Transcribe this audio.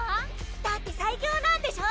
だって最強なんでしょ？